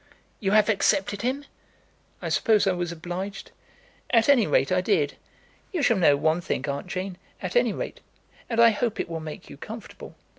"You have accepted him?" "I suppose I was obliged. At any rate I did. You shall know one thing, Aunt Jane, at any rate, and I hope it will make you comfortable.